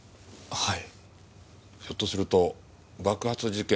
はい。